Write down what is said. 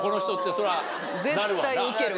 絶対ウケる。